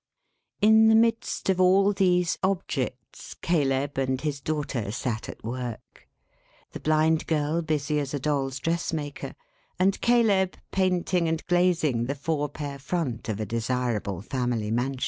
In the midst of all these objects, Caleb and his daughter sat at work. The Blind Girl busy as a Doll's dressmaker; and Caleb painting and glazing the four pair front of a desirable family mansion.